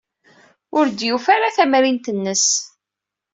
Ur d-yufi ara tamrint-nnes.